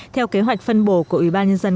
theo kế hoạch phân bổ của ủy ban nhân dân